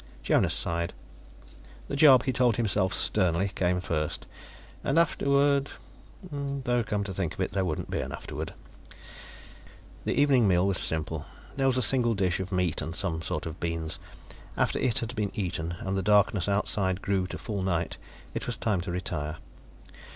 Jonas sighed. The job, he told himself sternly, came first. And afterward Though, come to think of it, there wouldn't be an afterward. The evening meal was simple. There was a single dish of meat and some sort of beans; after it had been eaten, and the darkness outside grew to full night, it was time to retire.